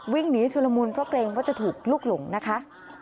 วิ่งหนีชุลมุนเพราะเกรงว่าจะถูกลุกหลงนะคะ